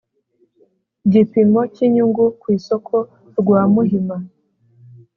gipimo cy’inyungu ku isoko rwa muhima